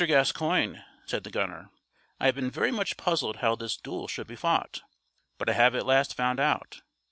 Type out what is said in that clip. Gascoigne," said the gunner, "I have been very much puzzled how this duel should be fought, but I have at last found out.